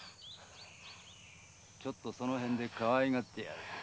ちょっとその辺でかわいがってやるよ。